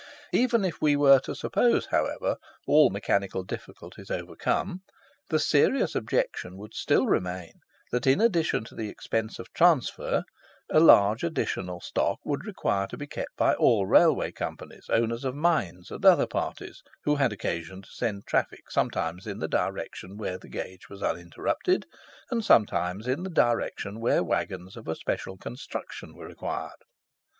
Even if we were to suppose, however, all mechanical difficulties overcome, the serious objection would still remain, that in addition to the expense of transfer, a large additional stock would require to be kept by all Railway Companies, owners of mines, and other parties who had occasion to send traffic sometimes in the direction where the gauge was uninterrupted, and sometimes in the direction where waggons of a special construction were required.